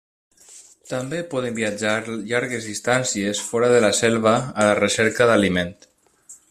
També poden viatjar llargues distàncies fora de la selva a la recerca d'aliment.